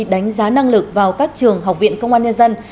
đánh giá năng lực vào các trường học viện công an nhân dân